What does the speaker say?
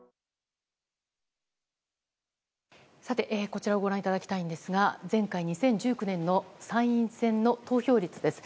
こちらをご覧いただきたいんですが前回２０１９年の参院選の投票率です。